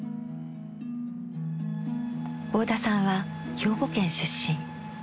合田さんは兵庫県出身。